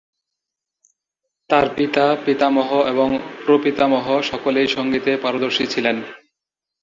তার পিতা, পিতামহ এবং প্রপিতামহ সকলেই সংগীতে পারদর্শী ছিলেন।